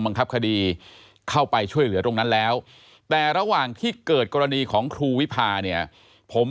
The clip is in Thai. ยาท่าน้ำขาวไทยนครเพราะทุกการเดินทางของคุณจะมีแต่รอยยิ้ม